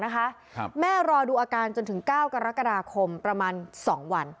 แม่รอดูอาการจนถึง๙กรกฎาคมประมาณ๒วัน